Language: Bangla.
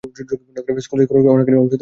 স্কুলটির খরচের অনেকখানি অংশ তিনি বহন করতেন।